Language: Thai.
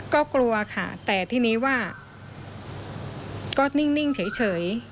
ก็กลัวค่ะแต่ทีนี้ว่าก็นิ่งเฉย